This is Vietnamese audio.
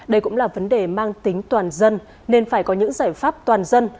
đây cũng là vấn đề mang tính toàn dân nên phải có những giải pháp toàn dân